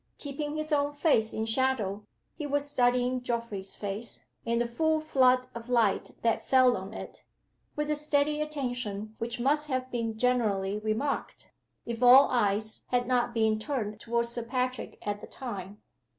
Keeping his own face in shadow, he was studying Geoffrey's face, in the full flood of light that fell on it, with a steady attention which must have been generally remarked, if all eyes had not been turned toward Sir Patrick at the time.